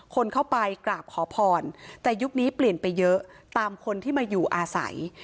คนเข้าไปกราบขอพรแต่ยุคนี้เปลี่ยนไปเยอะตามคนที่มาอยู่อาศัย